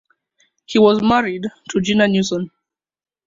He was married to Gina Newson.